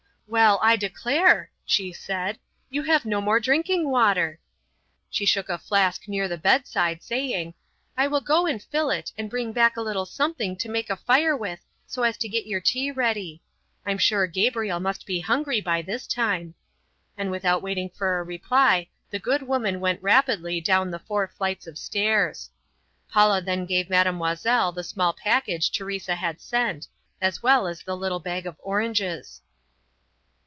"Well, I declare," she said, "you have no more drinking water!" She shook a flask near the bedside, saying, "I will go and fill it and bring back a little something to make a fire with so as to get your tea ready. I'm sure Gabriel must be hungry by this time," and without waiting for a reply the good woman went rapidly down the four flights of stairs. Paula then gave Mademoiselle the small package Teresa had sent, as well as the little bag of oranges.